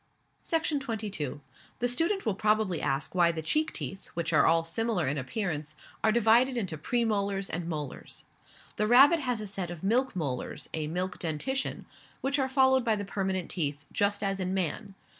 Section 22. The student will probably ask why the cheek teeth, which are all similar in appearance, are divided into premolars and molars. The rabbit has a set of milk molars a milk dentition which are followed by the permanent teeth, just as in man.